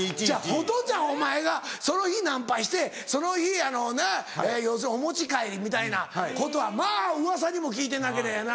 ホトちゃんお前がその日ナンパしてその日要するにお持ち帰りみたいなことはまぁうわさにも聞いてなけりゃやな。